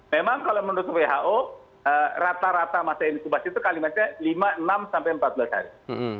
memang kalau menurut who rata rata masa inkubasi itu kalimatnya lima enam sampai empat belas hari